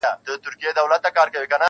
هسي نه چي په شرابو اموخته سم,